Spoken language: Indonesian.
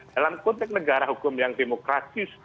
dalam konteks negara hukum yang demokratis